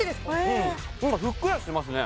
うん何かふっくらしてますね